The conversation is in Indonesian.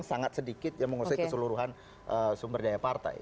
sangat sedikit yang menguasai keseluruhan sumber daya partai